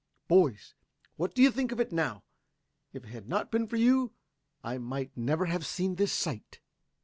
Boys, what do you think of it now? If it had not been for you I might never have seen this sight."